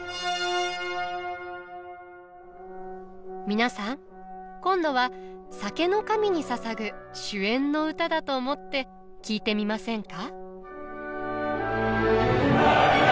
皆さん今度は酒の神にささぐ酒宴の歌だと思って聴いてみませんか？